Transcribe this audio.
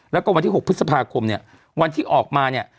แล้วก็วันที่๖พฤษภาคมเนี่ยวันที่ออกมาเนี่ย